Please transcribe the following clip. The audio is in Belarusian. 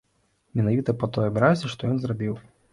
Менавіта па той абразе, што ён зрабіў.